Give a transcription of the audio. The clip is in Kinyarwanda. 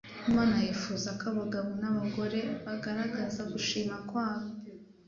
Imana yifuza ko abagabo n’abagore bagaragaza gushima kwabo